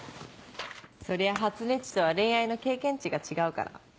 そりゃはつねっちとは恋愛の経験値が違うから。